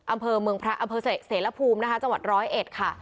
อำเภอเศรภูมินะคะจังหวัดร้อยเอ็ดค่ะ